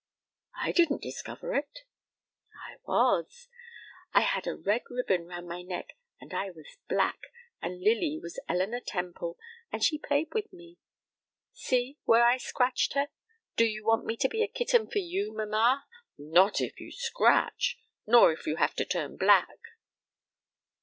I didn't discover it." "I was. I had a red ribbon round my neck, and I was black, and Lily was Elinor Temple, and she played with me. See where I scratched her. Do you want me to be a kitten for you, mamma?" "Not if you scratch, nor if you have to turn black."